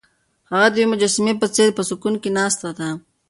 هغه د یوې مجسمې په څېر په سکون کې ناسته ده.